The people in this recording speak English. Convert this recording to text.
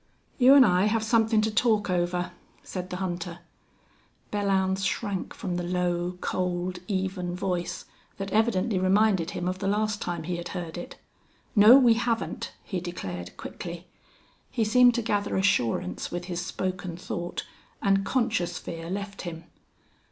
"You an' I have somethin' to talk over," said the hunter. Belllounds shrank from the low, cold, even voice, that evidently reminded him of the last time he had heard it. "No, we haven't," he declared, quickly. He seemed to gather assurance with his spoken thought, and conscious fear left him.